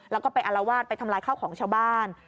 แล้วก็ไปอารวาสไปทำลายข้าวของชาวบ้าน